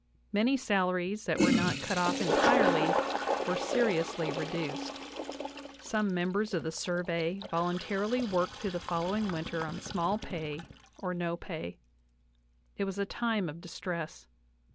Many salaries that were not cut off entirely were seriously reduced; some members of the Survey voluntarily worked through the following winter on small pay or no pay. It was a time of distress.